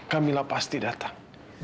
kamila pasti datang